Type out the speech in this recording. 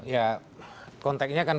ya konteksnya kan